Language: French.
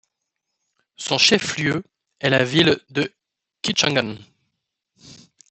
Son chef-lieu est la ville de Kishanganj.